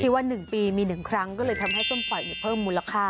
ที่ว่าหนึ่งปีมีหนึ่งครั้งก็เลยทำให้ส้มป่อยเนี่ยเพิ่มมูลค่า